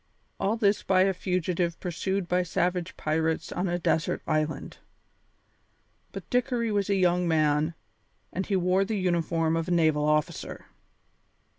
All this by a fugitive pursued by savage pirates on a desert island! But Dickory was a young man, and he wore the uniform of a naval officer.